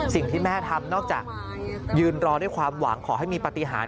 สิ่งที่แม่ทำนอกจากยืนรอด้วยความหวังขอให้มีปฏิหาร